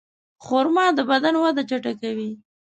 خرما د بدن وده چټکوي.